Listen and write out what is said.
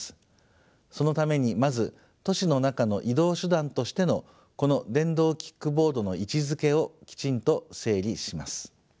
そのためにまず都市の中の移動手段としてのこの電動キックボードの位置づけをきちんと整理します。